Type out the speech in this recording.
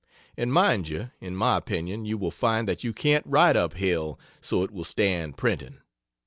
And mind you, in my opinion you will find that you can't write up hell so it will stand printing.